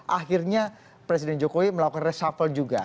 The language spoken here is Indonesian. akhirnya presiden jokowi melakukan reshuffle juga